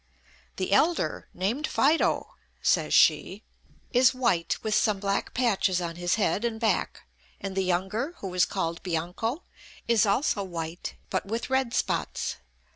"The elder, named Fido," says she, "is white, with some black patches on his head and back; and the younger, who is called Bianco, is also white, but with red spots.